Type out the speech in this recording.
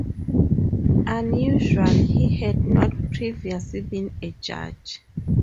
Unusually, he had not previously been a judge.